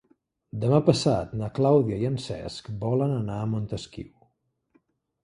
Demà passat na Clàudia i en Cesc volen anar a Montesquiu.